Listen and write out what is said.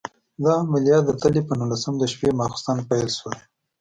دا عملیات د تلې په نولسم د شپې ماخوستن پیل شول.